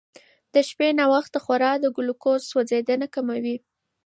د شپې ناوخته خورا د ګلوکوز سوځېدنه کموي.